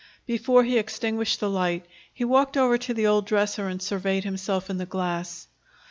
Before he extinguished the light, he walked over to the old dresser and surveyed himself in the glass.